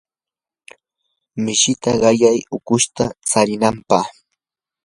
mishita qayay ukushta tsarinanpaq.